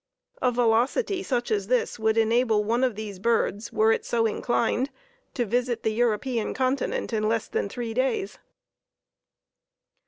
A velocity such as this would enable one of these birds, were it so inclined, to visit the European continent in less than three days.